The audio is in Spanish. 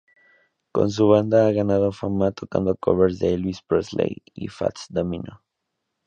Con su banda ha ganado fama tocando covers de Elvis Presley y Fats Domino.